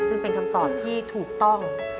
ซึ่งเป็นคำตอบที่ถูกต้อง